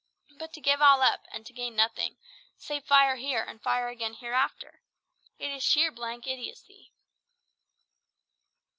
But to give all up, and to gain nothing, save fire here and fire again hereafter! It is sheer, blank idiocy."